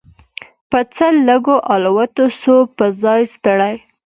په څه لږو الوتو سو په ځان ستړی